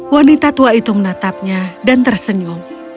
wanita tua itu menatapnya dan tersenyum